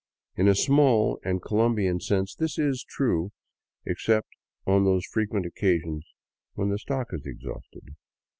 In a small and Colombian sense this is true, except on those frequent occasions when the stock is exhausted.